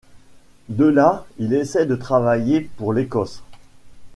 De là, il essaie de travailler pour l'Écosse.